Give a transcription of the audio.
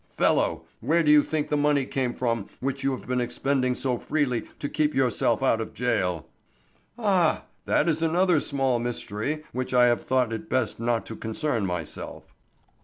Fellow! where do you think the money came from which you have been expending so freely to keep yourself out of jail?" "Ah! that is another small mystery with which I have thought it best not to concern myself."